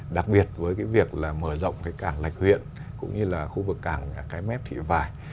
đặc biệt với việc mở rộng cảng lạch huyện cũng như là khu vực cảng cái mép thị vải